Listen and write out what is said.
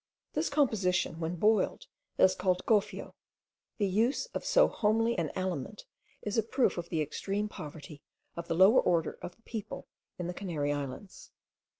This composition, when boiled, is called gofio; the use of so homely an aliment is a proof of the extreme poverty of the lower order of people in the Canary Islands.